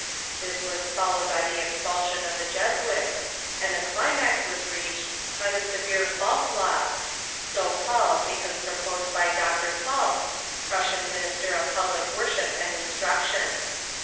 This was followed by the expul sion of the Jesuits, and the climax was reached by the severe Falk Laws, so called because proposed by Dr. Falk, Prussian Minister of I*ublic Worship and Instruction.